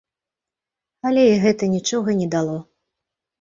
Але і гэта нічога не дало.